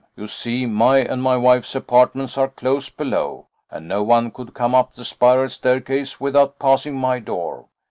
You see my and my wife's apartments are close below, and no one could come up the spiral staircase without passing my door.